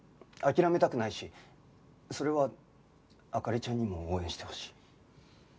諦めたくないしそれは灯ちゃんにも応援してほしい。